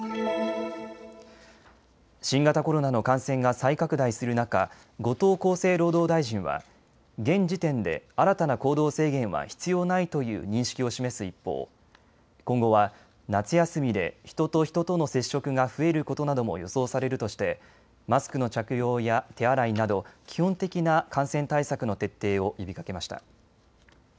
新型コロナの感染が再拡大する中、後藤厚生労働大臣は現時点で新たな行動制限は必要ないという認識を示す一方、今後は夏休みで人と人との接触が増えることなども予想されるとしてマスクの着用や手洗いなど基本的な感染対策の徹底を呼びかけました。